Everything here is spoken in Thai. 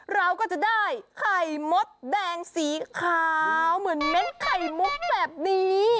เราก็จะได้ไข่มดแดงสีขาวเหมือนเม้นไข่มุกแบบนี้